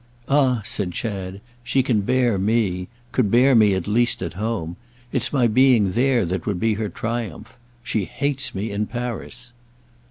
"Ah," said Chad, "she can bear me—could bear me at least at home. It's my being there that would be her triumph. She hates me in Paris."